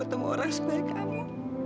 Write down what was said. ketemu orang sebaik kamu